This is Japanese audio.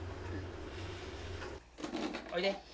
おいで。